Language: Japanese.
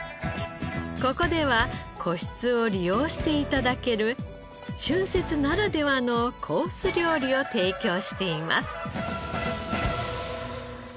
ここでは個室を利用して頂ける春節ならではのコース料理を提供しています。